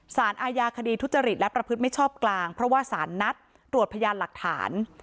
สารอาญาคดีทุจริตและประพฤติไม่ชอบกลางเพราะว่าสารนัดตรวจพยานหลักฐาน